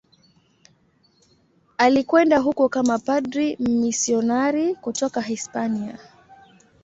Alikwenda huko kama padri mmisionari kutoka Hispania.